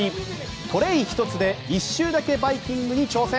トレー１つで１周だけバイキングに挑戦。